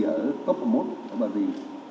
ở top một ở bà rì